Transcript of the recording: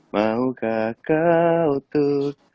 maukah kau tuh